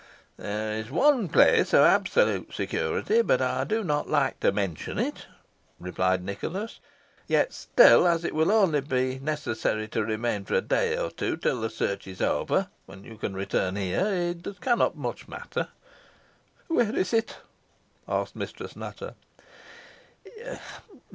"There is one place of absolute security, but I do not like to mention it," replied Nicholas. "Yet still, as it will only be necessary to remain for a day or two, till the search is over, when you can return here, it cannot much matter." "Where is it?" asked Mistress Nutter.